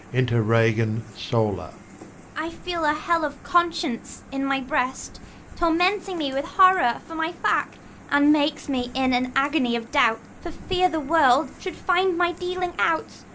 Enter Ragan sola. (Z5 Ragan. I feel a hell of conscience in my breast, Tormenting me with horror for my fact, And makes me in an agony of doubt, For fear the world should find my dealing out.